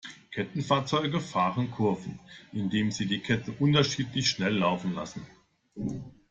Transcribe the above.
Kettenfahrzeuge fahren Kurven, indem sie die Ketten unterschiedlich schnell laufen lassen.